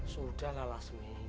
sudah lah lasmi